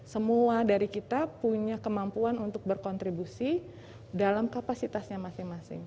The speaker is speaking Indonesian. semua dari kita punya kemampuan untuk berkontribusi dalam kapasitasnya masing masing